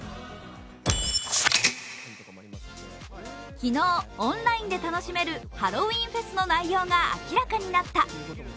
昨日、オンラインで楽しめるハロウィーンフェスの内容が明らかになった。